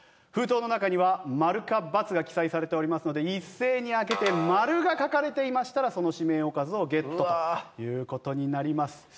封筒の中にはマルかバツが記載されておりますので一斉に開けてマルが書かれていましたらその指名おかずをゲットという事になります。